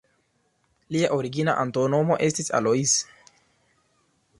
Lia origina antaŭnomo estis Alois.